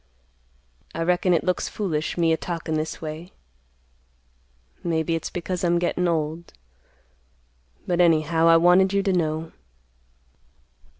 I reckon it looks foolish, me a talkin' this way. Maybe it's because I'm gettin' old, but anyhow I wanted you to know."